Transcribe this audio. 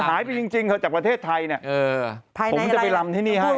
หายไปจริงจริงก็จากประเทศไทยนะผมจะไปลำที่นี่ให้